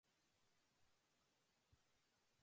妹島和世